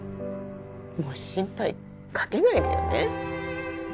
もう心配かけないでよね。